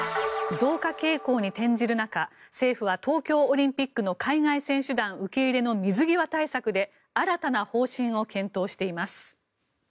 増加傾向に転じる中政府は東京オリンピックの海外選手団受け入れの水際対策で新たな方針を検討しています。